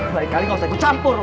lagi kali gak usah gue campur lo